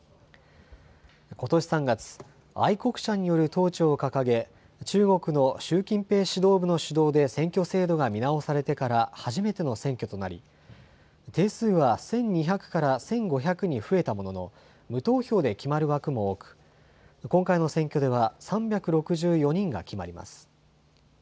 ことし３月、愛国者による統治を掲げ、中国の習近平指導部の主導で選挙制度が見直されてから初めての選挙となり、定数は１２００から１５００に増えたものの、無投票で決まる枠も多く、今回の選挙では３６４人が決まります。